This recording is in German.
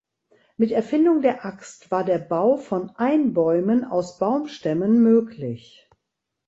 Mit Erfindung der Axt war der Bau von Einbäumen aus Baumstämmen möglich.